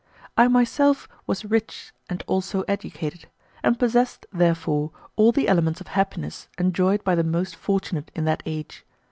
I myself was rich and also educated, and possessed, therefore, all the elements of happiness enjoyed by the most fortunate in that age.